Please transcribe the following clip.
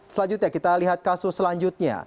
selanjutnya kita lihat kasus selanjutnya